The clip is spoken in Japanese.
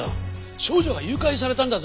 少女が誘拐されたんだぞ！